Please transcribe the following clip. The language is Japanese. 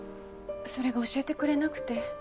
それが教えてくれなくて。